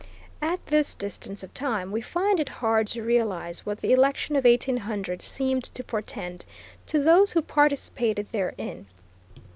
At this distance of time we find it hard to realize what the election of 1800 seemed to portend to those who participated therein.